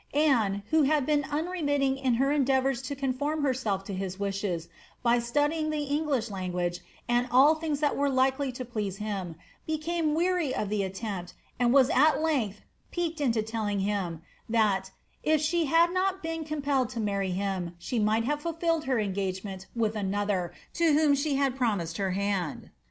^ Anne, who had been unremitting in her endeavours to con form herself to his wishes, by studying the English language and all things that were likely to please him, became weary of the attempt, and mas at length piqued into telling him, that ^* if she had not been com pelled to marry him, she might have fulfilled her engagement with an other to whom she had promised her hand."